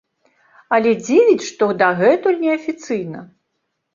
Але дзівіць, што дагэтуль неафіцыйна.